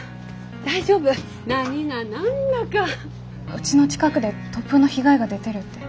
うちの近くで突風の被害が出てるって。